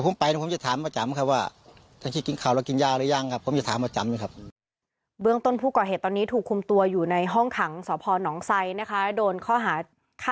ก็ไม่จำว่าทางจิตกินขาวแล้วกินยาหรือยังครับ